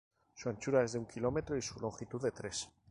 Su anchura es de un kilómetro y su longitud de tres.